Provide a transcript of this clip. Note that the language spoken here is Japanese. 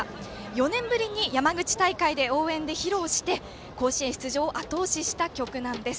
４年ぶりに山口大会の応援で披露して甲子園出場をあと押しした曲です。